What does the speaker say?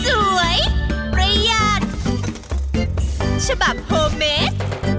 สวยประหยัดฉบับโฮเมส